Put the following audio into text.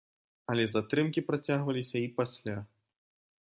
Але затрымкі працягваліся і пасля.